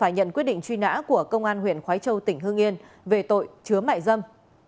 nã của công an huyện khói châu tỉnh hương yên về tội chứa mại dâm